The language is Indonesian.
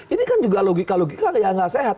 ini kan juga logika logika yang nggak sehat